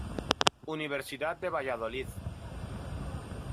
Universidad de Valladolid.